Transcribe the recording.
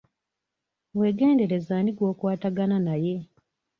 Wegendereze ani gw'okwatagana naye.